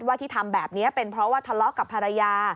ที่ทำแบบนี้เป็นเพราะว่าทะเลาะกับภรรยา